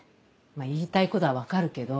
言いたいことは分かるけど。